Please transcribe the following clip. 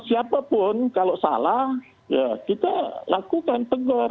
siapapun kalau salah ya kita lakukan tegur